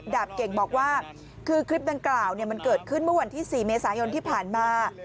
เก่งบอกว่าคือคลิปดังกล่าวมันเกิดขึ้นเมื่อวันที่๔เมษายนที่ผ่านมา